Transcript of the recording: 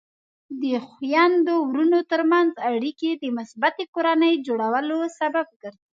د خویندو ورونو ترمنځ اړیکې د مثبتې کورنۍ جوړولو سبب ګرځي.